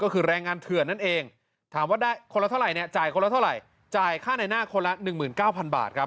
ก็คือแรงงานเถื่อนนั่นเองถามว่าได้คนละเท่าไหร่เนี่ยจ่ายคนละเท่าไหร่จ่ายค่าในหน้าคนละ๑๙๐๐บาทครับ